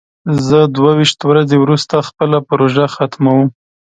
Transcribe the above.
زه دوه ویشت ورځې وروسته خپله پروژه ختموم.